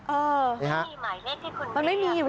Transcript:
เออมันไม่มีอยู่แล้วเออใช่ค่ะมันไม่มีหมายเลขที่คุณเรียก